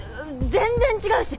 全然違うし！